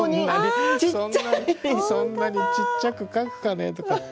そんなにちっちゃく描くかねとか。